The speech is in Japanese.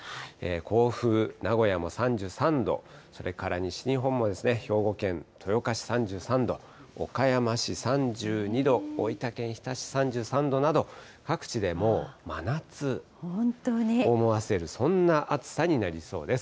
甲府、名古屋も３３度、それから西日本もですね、兵庫県豊岡市３３度、岡山市３２度、大分県日田市３３度など、各地でもう真夏を思わせる、そんな暑さになりそうです。